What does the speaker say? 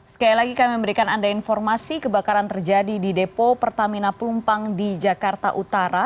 sekali lagi kami memberikan anda informasi kebakaran terjadi di depo pertamina pelumpang di jakarta utara